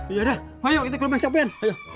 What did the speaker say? iya dah ayo kita ke rumah siapin